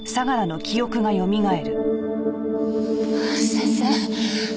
先生！